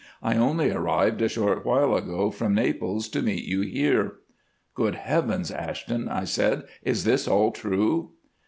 I only arrived a short while ago from Naples to meet you here.'" "Good heavens, Ashton," I said, "is this all true?"